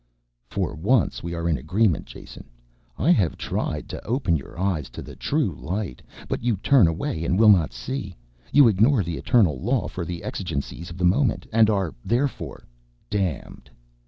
"For once we are in agreement, Jason. I have tried to open your eyes to the true light, but you turn away and will not see. You ignore the Eternal Law for the exigencies of the moment and are, therefore, damned."